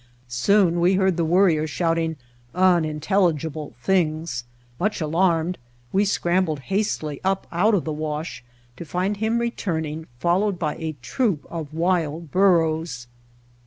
Soon we heard the Worrier shouting unintelligible things. Much alarmed we scrambled hastily up out of the wash to find him returning, followed by a troop of wild bur ros.